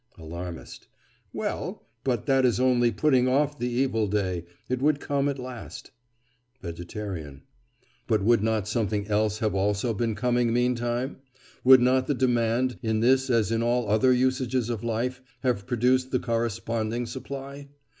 ALARMIST: Well, but that is only putting off the evil day—it would come at last. VEGETARIAN: But would not something else have also been coming meantime? Would not the demand, in this as in all other usages of life, have produced the corresponding supply?